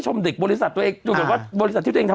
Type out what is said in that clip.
หลอกกันหมดเลย